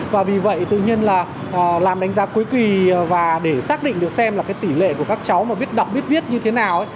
và vì vậy tự nhiên là làm đánh giá cuối kỳ và để xác định được xem là cái tỷ lệ của các cháu mà biết đọc biết viết như thế nào